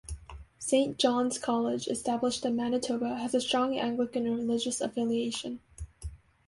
Saint John's College, established in Manitoba has a strong Anglican religious affiliation.